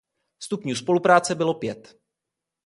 Stupňů spolupráce bylo pět.